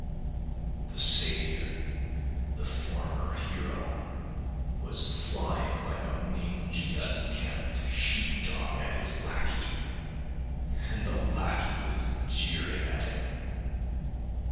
The saviour, the former hero, was flying like a mangy, unkempt sheep dog at his lackey, and the lackey was jeering at him!